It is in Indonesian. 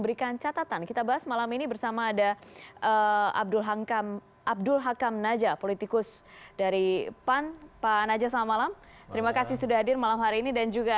terima kasih sudah hadir malam hari ini